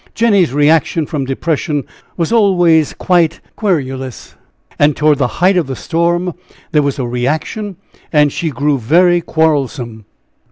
Jenny's reaction from depression was always quite querulous. And toward the height of the storm, there was a reaction and she grew very quarrelsome.